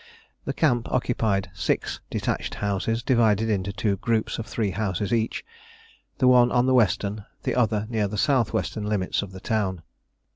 The "camp" occupied six detached houses, divided into two groups of three houses each, the one on the western, the other near the south western limits of the town.